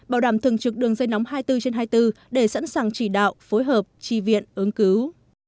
bảo đảm thường trực đường dây nóng hai mươi bốn trên hai mươi bốn để sẵn sàng chỉ đạo phối hợp tri viện ứng cứu